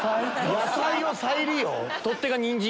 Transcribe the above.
野菜を再利用？